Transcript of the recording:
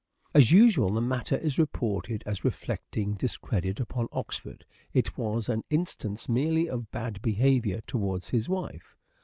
As usual the matter is reported as reflecting discredit upon Oxford. It was an instance merely of bad behaviour towards his wife.